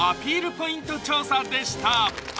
ポイント調査でした